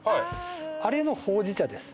あれのほうじ茶です。